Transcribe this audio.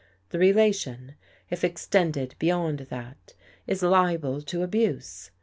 The relation, if extended beyond that, is liable to abuse.